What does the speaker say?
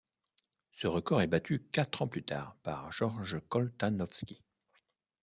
Ce record est battu quatre ans plus tard par Georges Koltanowski.